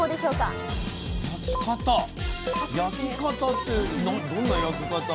焼き方焼き方ってどんな焼き方。